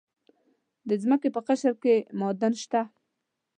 د ځمکې په قشر کې معادن شته.